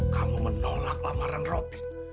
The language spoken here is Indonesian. kamu menolak lamaran robin